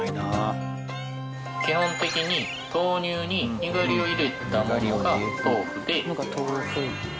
基本的に豆乳ににがりを入れたものが豆腐で。